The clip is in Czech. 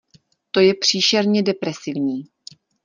To je příšerně depresivní.